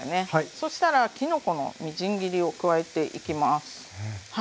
そしたらきのこのみじん切りを加えていきます。